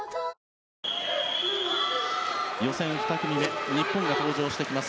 予選２組目日本が登場してきます。